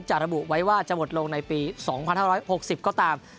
ระบุไว้ว่าจะหมดลงในปี๒๕๖๐ก็ตาม